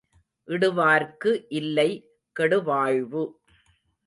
இடுவார்க்கு இல்லை கெடுவாழ்வு.